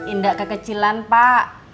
indah kekecilan pak